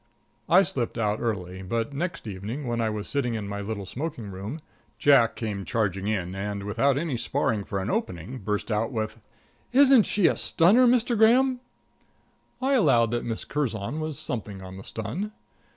I slipped out early, but next evening, when I was sitting in my little smoking room, Jack came charging in, and, without any sparring for an opening, burst out with: "Isn't she a stunner, Mr. Graham!" I allowed that Miss Curzon was something on the stun.